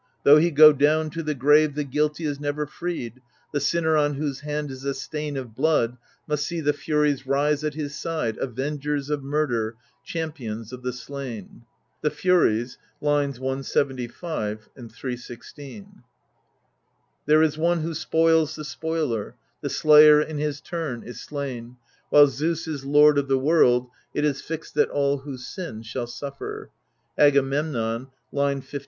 " Though he go down to the grave, the guilty is never freed ... the sinner on whose hand is the stain of blood must see the Furies rise at his side, avengers of murder, champions of the slain." — The Furies, IL 175, 316. " There is one who spoils the spoiler ; the slayer in his turn is slain ; while Zeus is lord of the world, it is fixed that all who sin shall suffer." — Agamemnon, L 1562.